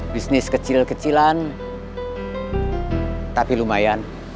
bisnis kecil kecilan tapi lumayan